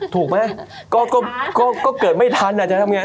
ถูกมั้ยก็เกิดไม่ทันจะทำยังไง